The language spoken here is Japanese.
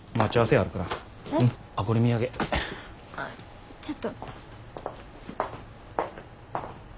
ああちょっと。